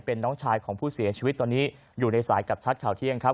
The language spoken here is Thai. เป็นน้องชายของผู้เสียชีวิตตอนนี้อยู่ในสายกับชัดข่าวเที่ยงครับ